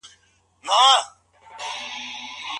پانګه والو په بازار کې خپل توکي خرڅول.